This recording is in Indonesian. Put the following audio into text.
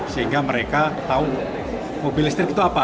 sehingga mereka tahu mobil listrik itu apa